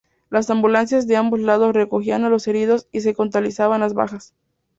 Las ambulancias de ambos lados recogían a los heridos y se contabilizaban las bajas.